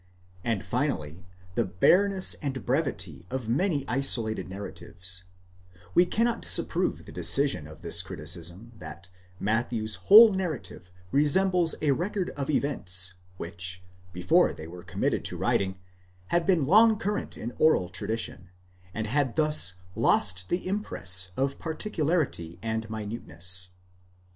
and finally, the bareness and brevity of many isolated narratives: we cannot disapprove the decision of this criticism, that Matthew's whole narrative resembles a record of events which, before they were committed to writing, had been long current in oral tradition, and had thus lost the impress of particularity and minuteness.